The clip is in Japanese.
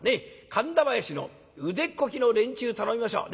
神田囃子の腕っこきの連中頼みましょう。